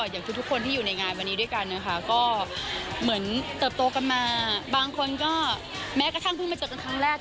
อย่างทุกคนที่อยู่ในงานวันนี้ด้วยกันนะคะก็เหมือนเติบโตกันมาบางคนก็แม้กระทั่งเพิ่งมาเจอกันครั้งแรก